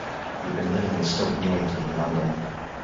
He had been living in Stoke Newington, London.